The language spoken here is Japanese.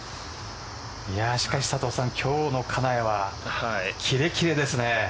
しかし今日の金谷はキレキレですね。